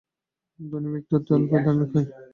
ধনী ব্যক্তিরা অতি অল্পই ধার্মিক হয়।